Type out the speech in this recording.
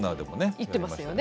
言ってますよね。